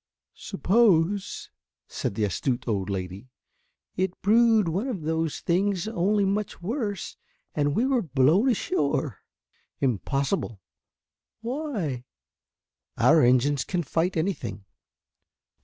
"Suppose," said the astute old lady, "it brewed one of those things, only much worse, and we were blown ashore?" "Impossible." "Why?" "Our engines can fight anything."